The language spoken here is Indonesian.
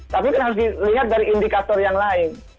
tapi kan harus dilihat dari indikator yang lain